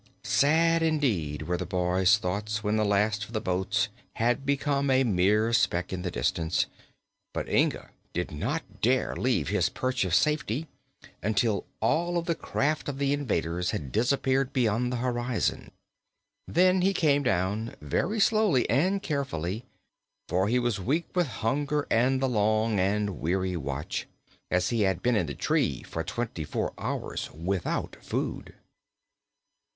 Sad, indeed, were the boy's thoughts when the last of the boats had become a mere speck in the distance, but Inga did not dare leave his perch of safety until all of the craft of the invaders had disappeared beyond the horizon. Then he came down, very slowly and carefully, for he was weak from hunger and the long and weary watch, as he had been in the tree for twenty four hours without food.